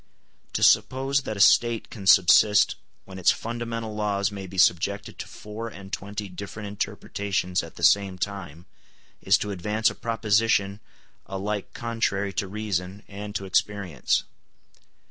To suppose that a State can subsist when its fundamental laws may be subjected to four and twenty different interpretations at the same time is to advance a proposition alike contrary to reason and to experience.